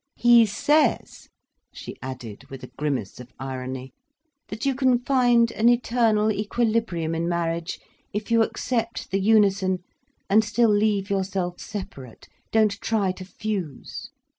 "He says," she added, with a grimace of irony, "that you can find an eternal equilibrium in marriage, if you accept the unison, and still leave yourself separate, don't try to fuse."